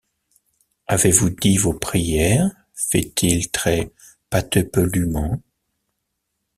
Avez-vous dict vos prières? feit-il trez-patepeluement.